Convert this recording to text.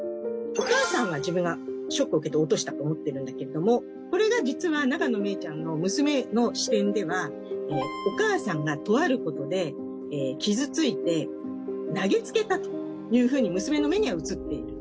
お母さんは自分がショックを受けて落としたと思ってるんだけどもこれが実は永野芽郁ちゃんの娘の視点ではお母さんがとあることで傷付いて投げつけたというふうに娘の目には映っている。